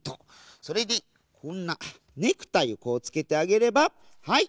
それでこんなネクタイをこうつけてあげればはい！